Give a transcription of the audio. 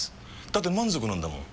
だって満足なんだもん。